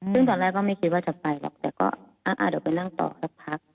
ซึ่งตอนแรกก็ไม่คิดว่าจะไปหรอกแต่ก็เดี๋ยวไปนั่งต่อสักพัก